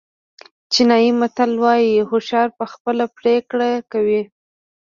چینایي متل وایي هوښیار په خپله پرېکړه کوي.